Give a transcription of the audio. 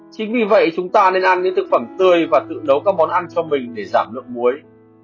chính vì vậy chúng ta nên ăn những thực phẩm tươi và tự nấu các món ăn cho mình để giảm lượng muối